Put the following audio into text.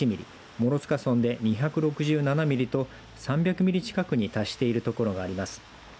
諸塚村で２６７ミリと３００ミリ近くに達しているところがあります。